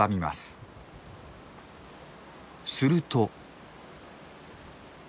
すると。